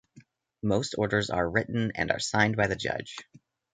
Most orders are written, and are signed by the judge.